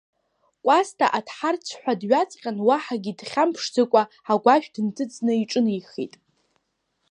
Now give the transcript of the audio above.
Кәасҭа аҭҳарцәҳәа дҩаҵҟьан, уаҳагьы дхьамԥшӡакәа, агәашә дынҭыҵны иҿынеихеит.